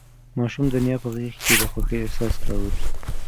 ماشوم د نیا په غېږ کې د خوښۍ احساس کاوه.